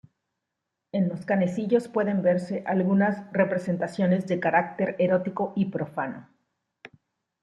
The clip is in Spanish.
En los canecillos pueden verse algunas representaciones de carácter erótico y profano.